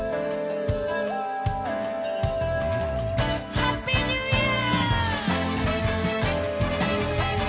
ハッピーニューイヤー！